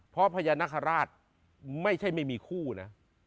เพราะพญานาคาราชไม่ใช่ไม่มีคู่นะ